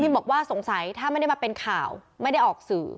บอกว่าสงสัยถ้าไม่ได้มาเป็นข่าวไม่ได้ออกสื่อ